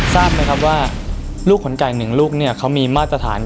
ทราบไหมครับว่าลูกขนไก่๑ลูกเนี่ย